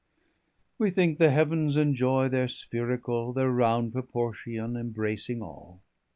250 We thinke the heavens enjoy their Sphericall, Their round proportion embracing all.